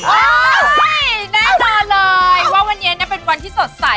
แน่นอนเลยว่าวันนี้เป็นวันที่สดใส